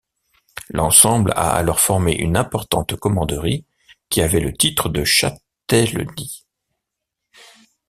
L'ensemble a alors formé une importante commanderie, qui avait le titre de châtellenie.